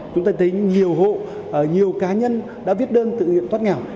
chúng ta thấy nhiều hộ nhiều cá nhân đã viết đơn thực hiện thoát nghèo